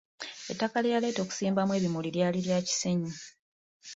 Ettaka lye yaleeta okusimbamu ebimuli lyali lya kisenyi.